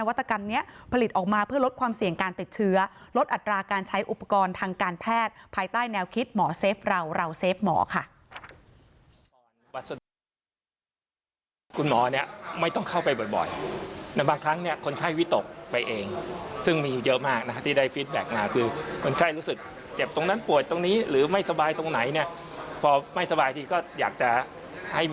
วัตกรรมนี้ผลิตออกมาเพื่อลดความเสี่ยงการติดเชื้อลดอัตราการใช้อุปกรณ์ทางการแพทย์ภายใต้แนวคิดหมอเซฟเราเราเฟฟหมอค่ะ